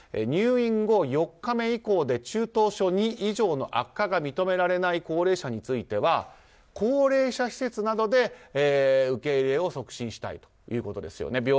入院後４日目以降で中等症２以上の悪化が認められない高齢者については高齢者施設などで受け入れを促進したいということですよね。